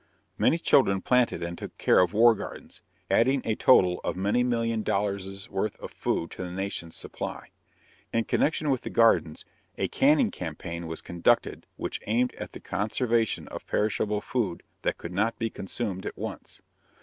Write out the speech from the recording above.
Many children planted and took care of war gardens, adding a total of many million dollars' worth of food to the nation's supply. In connection with the gardens, a canning campaign was conducted which aimed at the conservation of perishable food that could not be consumed at once.